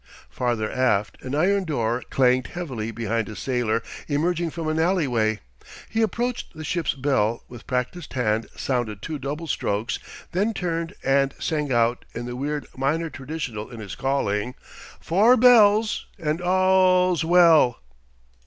Farther aft an iron door clanged heavily behind a sailor emerging from an alleyway; he approached the ship's bell, with practised hand sounded two double strokes, then turned and sang out in the weird minor traditional in his calling: "Four bells and a a all's well!"